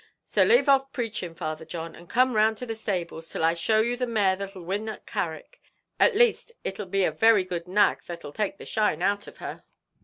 So lave off preaching, Father John, and come round to the stables, till I show you the mare that'll win at Carrick; at least, it 'll be a very good nag that 'll take the shine out of her."